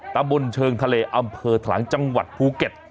ตำบลเชิงทะเลอำเภอถลังจังหวัดภูเก็ต